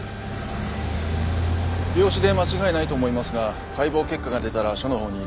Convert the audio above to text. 病死で間違いないと思いますが解剖結果が出たら署のほうに連絡します。